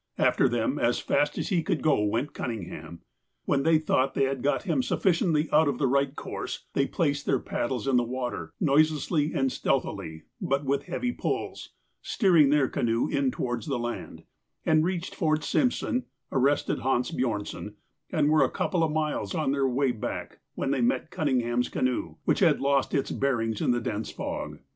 After them, as fast as he could go, went Cunningham. When they thought they had got him sufficiently out of the right course, they placed their paddles in the water, noiselessly and stealthily, but with heavy pulls, steering their canoe in towards the land, and reached Fort Simpson, arrested Hans Bjornson, and were a couple of miles on their way back, when they met Cunningham's canoe, which had lost its bearings in the dense fog.